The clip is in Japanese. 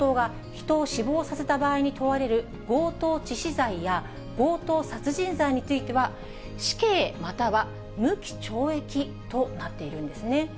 強盗が人を死亡させた場合に問われる強盗致死罪や、強盗殺人罪については、死刑または無期懲役となっているんですね。